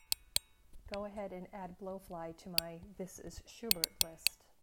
go ahead and add blowfly to my This Is Schubert list